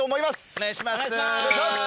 お願いします。